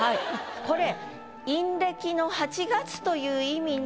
これ。